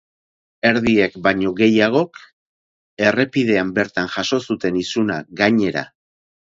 Erdiek baino gehiagok errepidean bertan jaso zuten isuna, gainera.